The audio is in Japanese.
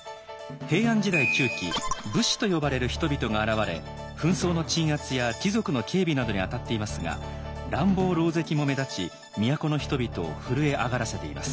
平安時代中期「武士」と呼ばれる人々が現れ紛争の鎮圧や貴族の警備などに当たっていますが乱暴ろうぜきも目立ち都の人々を震え上がらせています。